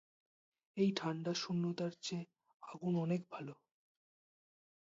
এই ঠাণ্ডা শূন্যতার চেয়ে আগুন অনেক ভালো।